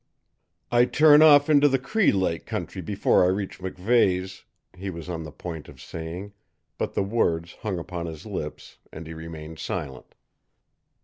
"I turn off into the Cree Lake country before I reach MacVeighs'." he was on the point of saying; but the words hung upon his lips, and he remained silent.